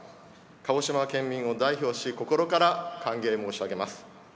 鹿児島県民を代表し心から歓迎申し上げます。